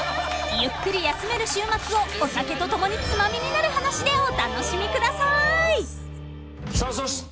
［ゆっくり休める週末をお酒と共に『ツマミになる話』でお楽しみください］さあそして